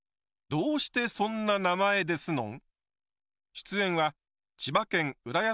「どうしてそんな名前ですのん」